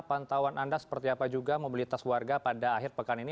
pantauan anda seperti apa juga mobilitas warga pada akhir pekan ini